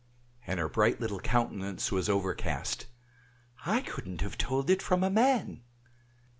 (and her bright little countenance was overcast), "I couldn't have told it from a man!"